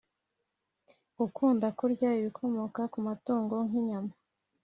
Gukunda kurya ibikomoka ku matungo nk’ inyama